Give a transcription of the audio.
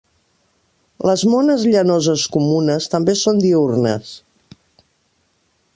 Les mones llanoses comunes també són diürnes.